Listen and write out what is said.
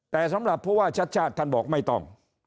แต่สำหรับผู้ว่าชัดชาติท่านบอกไม่ต้อง